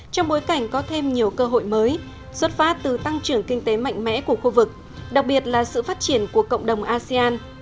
trong bối cảnh có thêm nhiều cơ hội mới xuất phát từ tăng trưởng kinh tế mạnh mẽ của khu vực đặc biệt là sự phát triển của cộng đồng asean